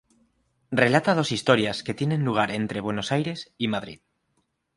Relata dos historias que tienen lugar entre Buenos Aires y Madrid.